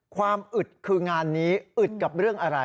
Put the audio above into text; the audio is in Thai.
อึดคืองานนี้อึดกับเรื่องอะไร